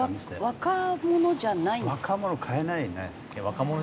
若者じゃないんですか？